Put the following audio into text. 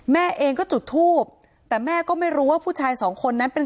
แม่เองก็จุดทูบแต่แม่ก็ไม่รู้ว่าผู้ชายสองคนนั้นเป็น